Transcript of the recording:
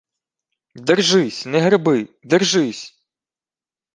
— Держись!.. Не греби — держись!..